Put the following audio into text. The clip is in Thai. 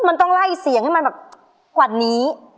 มันต้องไล่เสียงให้มันแบบกว่านี้